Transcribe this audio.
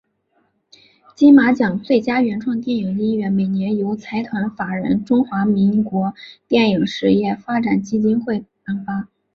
金马奖最佳原创电影音乐每年由财团法人中华民国电影事业发展基金会颁发。